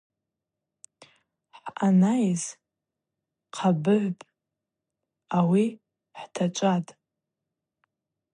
Хӏъанайыз – хъабыгӏвпӏ, ауи хӏтачӏватӏ.